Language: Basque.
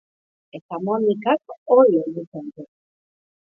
Eta Monikak hori egiten du.